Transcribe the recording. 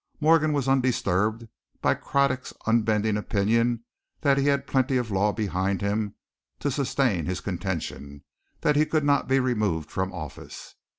Morgan was undisturbed by Craddock's unbending opinion that he had plenty of law behind him to sustain his contention that he could not be removed from office.